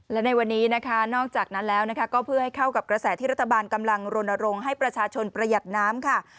และแนะวะนี้นะคะนอกจากนั้นแล้วก็เพื่อเคลื่อนกับกระแสที่รัฐบาลกำลังโรนโรงให้ประชาชนไปประหยัดน้ำข้า